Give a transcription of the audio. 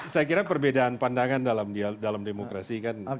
saya kira perbedaan pandangan dalam demokrasi kan